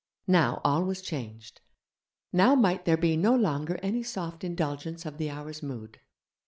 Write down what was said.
Now all was changed. Now might there be no longer any soft indulgence of the hour's mood.